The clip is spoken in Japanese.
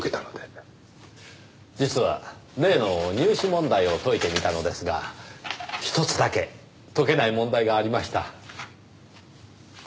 実は例の入試問題を解いてみたのですがひとつだけ解けない問題がありました。